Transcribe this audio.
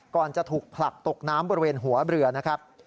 จะถูกผลักตกน้ำบริเวณหัวเรือนะครับ